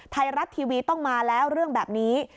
ไทยรัฐทีวีต้องมาแล้วเรื่องแบบนี้